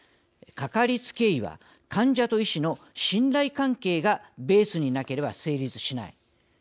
「かかりつけ医は患者と医師の信頼関係がベースになければ成立しない。